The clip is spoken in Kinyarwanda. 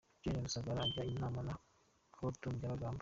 Gen. Rusagara ajya inama na Col. Tom Byabagamba